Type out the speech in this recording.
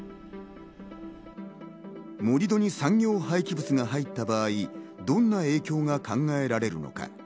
盛り土に産業廃棄物が入った場合、どんな影響が考えられるのか。